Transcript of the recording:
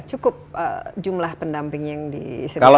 cukup jumlah pendamping yang disediakan